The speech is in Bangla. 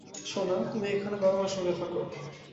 সোনা, তুমি এখানে বাবা-মার সঙ্গে থাকো।